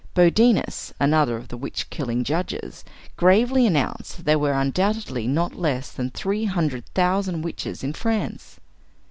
Bodinus, another of the witch killing judges, gravely announced that there were undoubtedly not less than three hundred thousand witches in France.